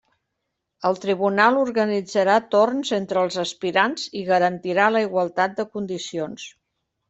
El tribunal organitzarà torns entre els aspirants i garantirà la igualtat de condicions.